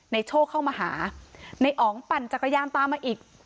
โชคเข้ามาหาในอ๋องปั่นจักรยานตามมาอีก